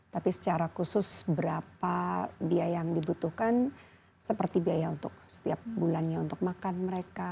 tapi secara khusus berapa biaya yang dibutuhkan seperti biaya untuk setiap bulannya untuk makan mereka